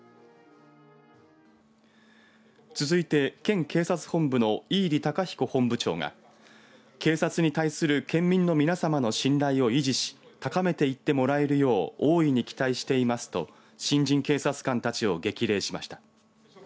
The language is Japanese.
続いて、県警察本部の飯利雄彦本部長が警察に対する県民の皆さまの信頼を維持し高めていってもらえるよう大いに期待していますと新人警察官たちを激励しました。